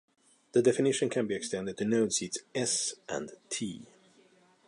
The definition can be extended to node sets "S" and "T".